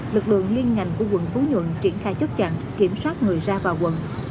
lực lượng liên ngành của quận phú nhuận triển khai chốt chặn kiểm soát người ra vào quận